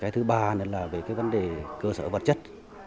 thứ ba là vấn đề cơ sở vật chất